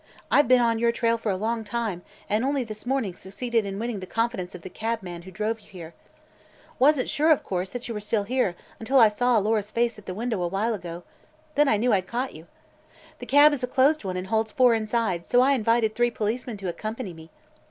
I've been on your trail for a long time and only this morning succeeded in winning the confidence of the cabman who drove you here. Wasn't sure, of course, that you were still here, until I saw Alora's face at the window a while ago. Then I knew I'd caught you. The cab is a closed one and holds four inside, so I invited three policeman to accompany me.